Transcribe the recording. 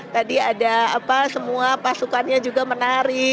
tadi ada apa semua pasukannya juga menari